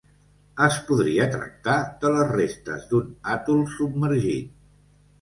Es podria tractar de les restes d'un atol submergit.